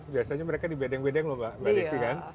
biasanya mereka di bedeng bedeng lho mbak desi kan